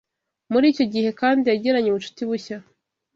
Muri icyo gihe kandi yagiranye ubucuti bushya